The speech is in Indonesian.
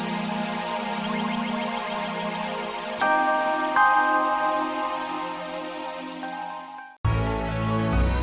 jangan bawangin aku